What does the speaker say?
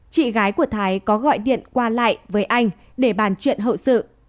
chị gái của thái có gọi điện qua lại với anh để bàn chuyện hậu sự